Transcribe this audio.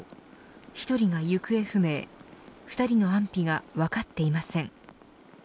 １人が行方不明２人の安否が分かっていません。